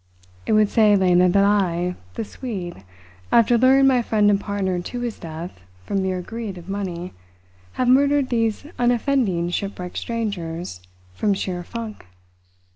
"It would say, Lena, that I the Swede after luring my friend and partner to his death from mere greed of money, have murdered these unoffending shipwrecked strangers from sheer funk.